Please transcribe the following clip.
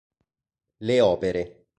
Le opere.